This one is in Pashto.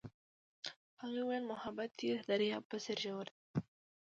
هغې وویل محبت یې د دریاب په څېر ژور دی.